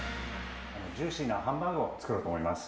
ジューシーなハンバーグを作ろうと思います。